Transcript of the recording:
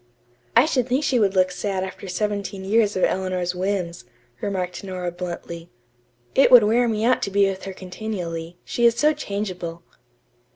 "I should think she would look sad after seventeen years of Eleanor's whims," remarked Nora bluntly. "It would wear me out to be with her continually, she is so changeable."